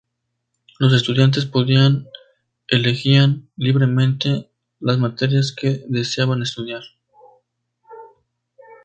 Los estudiantes podían elegían libremente las materias que deseaban estudiar.